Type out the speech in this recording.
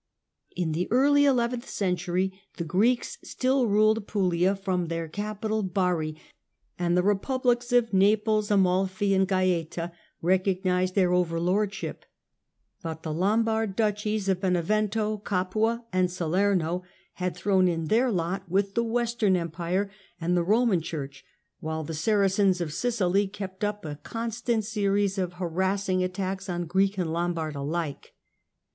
In the early eleventh century the Greeks still ruled The Apulia from their capital Ban", and the republics oii^^^iy^ Naples, Amalfi and Gaeta recognized their overlordship, but the Lombard duchies of Benevento, Capua and Salerno had thrown in their lot with the Western Empire and the Eoman Church, while the Saracens of Sicily kept up a constant series of harassing attacks on Greek and Lombard alike.